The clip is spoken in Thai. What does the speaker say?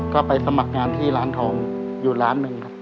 ก็ไปสมัครงานที่ร้านทองอยู่ร้านหนึ่งครับ